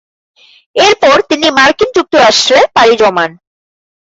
এরপর তিনি মার্কিন যুক্তরাষ্ট্রে পাড়ি জমান।